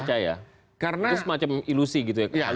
terus macam ilusi gitu ya